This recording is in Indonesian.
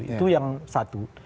itu yang satu